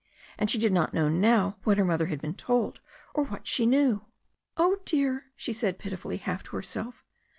And she did not know now what her mother had been told, or what she knew. "Oh, dear!" she said pitifully, half to herself.